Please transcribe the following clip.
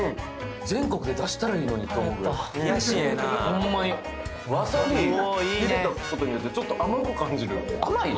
全国で出したらいいのにって思うぐらいほんまにわさび入れたことによってちょっと甘く感じる甘い？